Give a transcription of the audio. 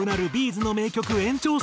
’ｚの名曲延長戦。